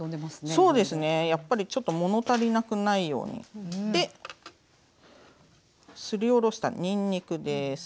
やっぱりちょっと物足りなくないように。ですりおろしたにんにくです。